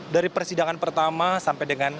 dari persidangan pertama sampai dengan